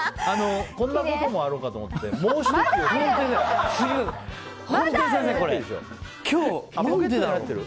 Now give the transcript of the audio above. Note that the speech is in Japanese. こんなこともあろうかと思ってまだある？